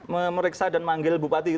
memeriksa dan manggil bupati